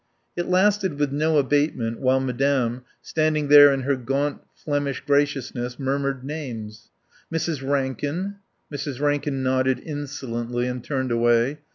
It lasted with no abatement while Madame, standing there in her gaunt Flemish graciousness, murmured names. "Mrs. Rankin " Mrs. Rankin nodded insolently and turned away.